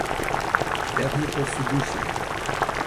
Dêr hie ’k wol fidúsje yn.